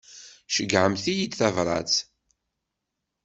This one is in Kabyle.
Ceyyɛemt-iyi-d tabrat.